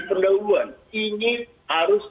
pendahuluan ini harus